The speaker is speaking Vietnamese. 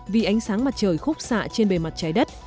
vì ánh sáng mặt trời khúc xạ trên bề mặt trái đất